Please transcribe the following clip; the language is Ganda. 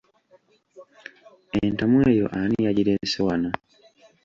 Entamu eyo ani yagireese wano?